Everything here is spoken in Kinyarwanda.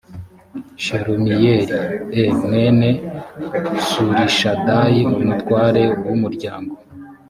shelumiyeli e mwene surishadayi umutware w umuryango